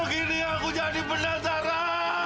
kalo gini aku jadi penasaran